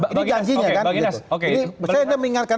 ini janjinya kan jadi saya ingatkan